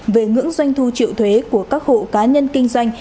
về ngưỡng doanh thu triệu thuế của các hộ cá nhân kinh doanh